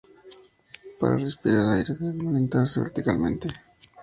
Para respirar aire deben orientarse verticalmente.